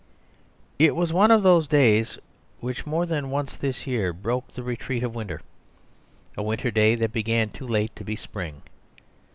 It was one of those days which more than once this year broke the retreat of winter; a winter day that began too late to be spring.